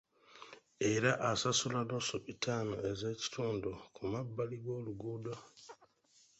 Era asasula nnusu bitaano ez'ekitundu ku mabbali g'oluguudo.